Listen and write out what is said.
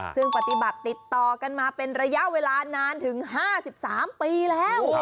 ซึ่งปฏิบัติติดต่อกันมาเป็นระยะเวลานานถึง๕๓ปีแล้ว